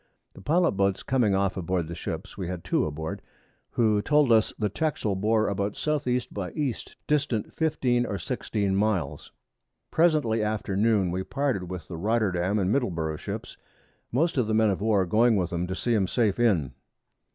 The Pilot Boats coming off aboard the Ships, we had 2 aboard, who told us the Texel bore about S.E. by E. distant 15 or 16 Miles. Presently after Noon we parted with the Rotterdam and Middleburgh Ships, most of the Men of War going with 'em to see 'em safe in.